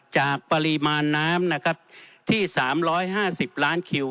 จากปริมาณน้ำที่๓๕๐ล้านคิว